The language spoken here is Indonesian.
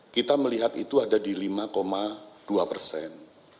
kita melihat itu ada di lima dua persen